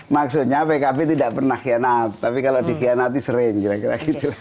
maksudnya pkb tidak pernah khianat tapi kalau dikhianati sering kira kira gitu